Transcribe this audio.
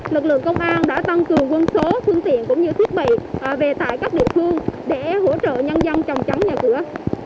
lực lượng công an đã tăng cường quân số phương tiện cũng như thiết bị về tại các địa phương để hỗ trợ nhân dân trồng chắn nhà cửa